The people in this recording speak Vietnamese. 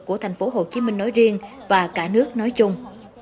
của thành phố hồ chí minh nói riêng và cả nước nói chung